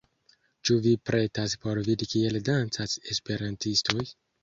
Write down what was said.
Ĉu vi pretas por vidi kiel dancas esperantistoj